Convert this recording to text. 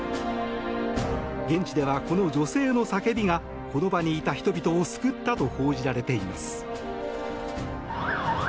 現地では、この女性の叫びがこの場にいた人々を救ったと報じられています。